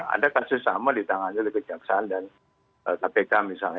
ada kasus sama di tangannya dari kejaksaan dan kpk misalnya